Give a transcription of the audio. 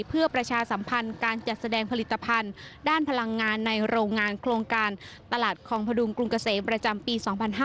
เพื่อประชาสัมพันธ์การจัดแสดงผลิตภัณฑ์ด้านพลังงานในโรงงานโครงการตลาดคลองพดุงกรุงเกษมประจำปี๒๕๕๙